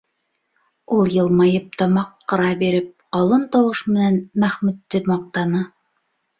Ул йылмайып тамаҡ ҡыра биреп, ҡалын тауыш менән Мәхмүтте маҡтаны.